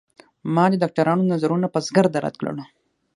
ما د ډاکترانو نظرونه په زغرده رد کړل.